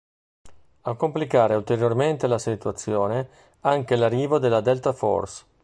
A complicare ulteriormente la situazione anche l'arrivo della Delta Force.